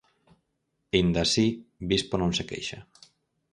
Aínda así, Vispo non se queixa.